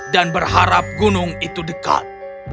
dan berharap gunung itu dekat